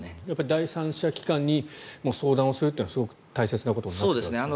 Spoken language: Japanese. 第三者機関に相談をするというのはすごく大切なことになってくるんですね。